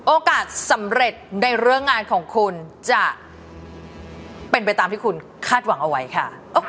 โอกาสสำเร็จในเรื่องงานของคุณจะเป็นไปตามที่คุณคาดหวังเอาไว้ค่ะ